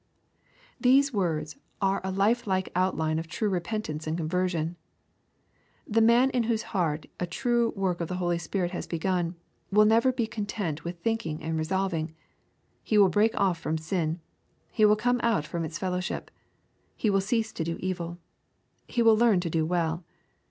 VThese words are a life like outline of true repentance and conversion. The man in whose heart a true work of the Holy Ghost has begun, will never be content with thinking and resolving. He will break off from sin. He will come out from its fellowship. He will cease to do evil. He will learn to do well.